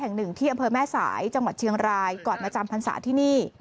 แห่งหนึ่งที่อำเภอแม่สายจังหวัดเชียงรายก่อนมาจำพรรษาที่นี่